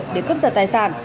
để cướp giật tài sản